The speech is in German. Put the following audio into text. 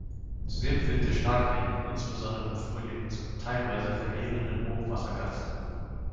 Zudem führte Starkregen insbesondere im Frühling zu teilweise verheerenden Hochwasserkatastrophen.